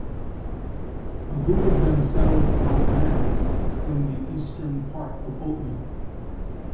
A group of them settled on land in the eastern part of Oatmeal.